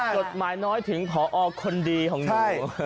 กฎหมายน้อยถึงผอคนดีของนี่